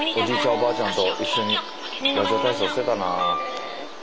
おばあちゃんと一緒にラジオ体操してたな。